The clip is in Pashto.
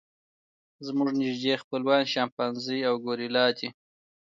زموږ نږدې خپلوان شامپانزي او ګوریلا دي.